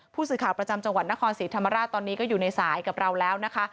ผู้สื่อข่าวประจำจังหวัดนครศรีธรรมราชตอนนี้ก็อยู่ในสายกับเราแล้วนะคะ